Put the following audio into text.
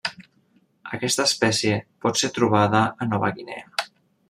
Aquesta espècie pot ser trobada a Nova Guinea.